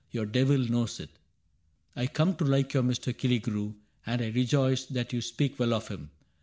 Your devil knows it. " I come to like your Mr. Killigrew, And I rejoice that you speak well of him.